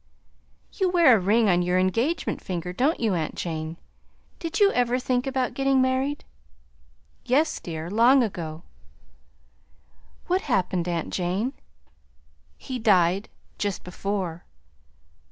"You wear a ring on your engagement finger, don't you, aunt Jane? Did you ever think about getting married?" "Yes, dear, long ago." "What happened, aunt Jane?" "He died just before."